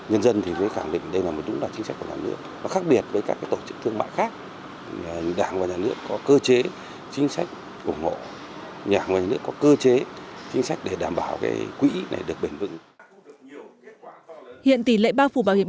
hiện tỷ lệ bao phủ bảo hiểm y tế ở nước ta đã đạt gần chín mươi dân số số người tham gia bảo hiểm